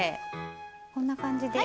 こんな感じで。